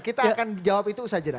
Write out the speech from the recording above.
kita akan jawab itu usah aja